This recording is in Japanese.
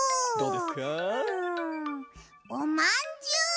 うん。おまんじゅう！